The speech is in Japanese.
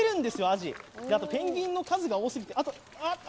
あとペンギンの数が多すぎて。